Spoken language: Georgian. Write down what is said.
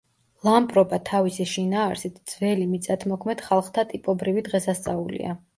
ლამპრობა თავისი შინაარსით ძველი მიწათმოქმედ ხალხთა ტიპობრივი დღესასწაულია.